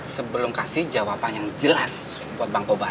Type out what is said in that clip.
sebelum kasih jawaban yang jelas buat bang kobar